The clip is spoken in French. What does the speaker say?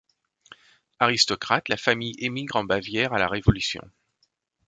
Aristocrate, la famille émigre en Bavière à la Révolution.